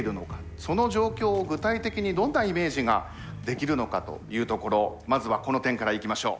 その状況を具体的にどんなイメージができるのかというところまずはこの点からいきましょう。